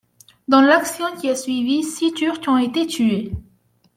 Dans l'action qui a suivi, six Turcs ont été tués.